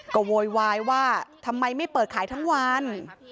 ก็โวยวายว่าทำไมไม่เปิดขายทั้งวัน